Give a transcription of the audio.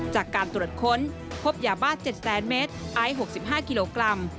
จากการตรวจค้นพบยาบ้า๗๐๐เมตรไอซ์๖๕กิโลกรัม